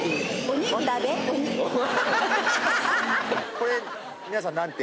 これ皆さん何て？